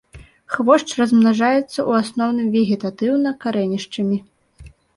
Хвошч размнажаецца ў асноўным вегетатыўна карэнішчамі.